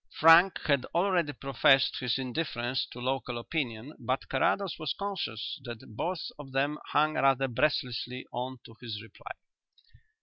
Frank had already professed his indifference to local opinion, but Carrados was conscious that both of them hung rather breathlessly on to his reply.